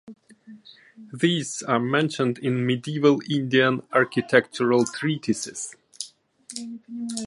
These are mentioned in medieval Indian architectural treatises.